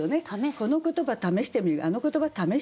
この言葉試してみるあの言葉試してみる。